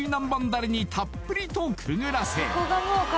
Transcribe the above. ダレにたっぷりとくぐらせ